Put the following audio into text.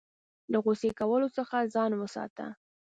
له غوسې کولو څخه ځان وساته .